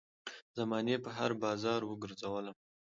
زمانې په هـــــر بازار وګرځــــــــــولم